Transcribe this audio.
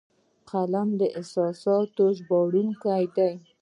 قلم د احساساتو ژباړونکی دی